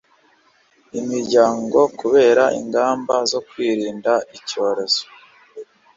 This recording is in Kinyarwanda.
imiryango kubera ingamba zo kwirinda icyorezo